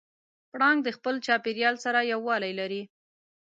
پړانګ د خپل چاپېریال سره یووالی لري.